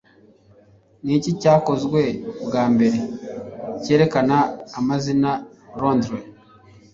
Niki cyakozwe bwa mbere cyerekana amazina Londres